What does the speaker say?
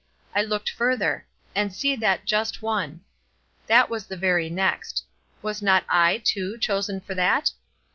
I looked further: 'And see that Just One.' That was the very next. Was not I, too, chosen for that?